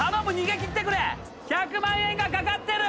１００万円がかかってる！